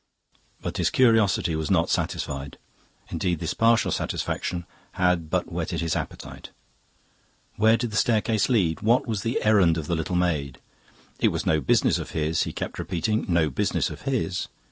But his curiosity was not satisfied. Indeed, this partial satisfaction had but whetted its appetite. Where did the staircase lead? What was the errand of the little maid? It was no business of his, he kept repeating no business of his.